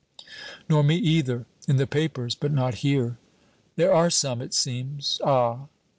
"Nor me either. In the papers, but not here." "There are some, it seems." "Ah!"